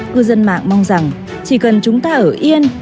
cư dân mạng mong rằng chỉ cần chúng ta ở yên